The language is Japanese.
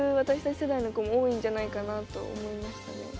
世代の子も多いんじゃないかなと思いましたね。